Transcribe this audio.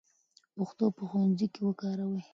پښتو په ښوونځي کې وکاروئ.